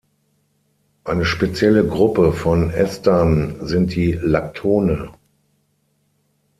Eine spezielle Gruppe von Estern sind die Lactone.